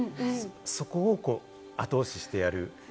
そこを後押ししてやる。